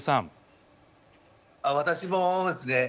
私もですね